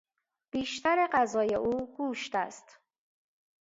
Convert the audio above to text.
بیشتر غذای او گوشت است